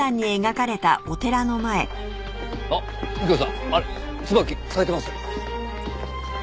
あっ右京さんあれ椿咲いてますよ。